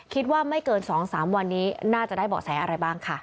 คิดว่าไม่เกิน๒๓วันนี้น่าจะได้เบาะแสอะไรบ้างค่ะ